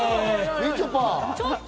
みちょぱ！